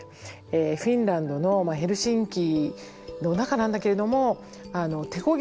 フィンランドのヘルシンキの中なんだけれども手こぎ